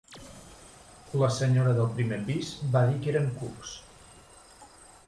La senyora del primer pis va dir que eren cucs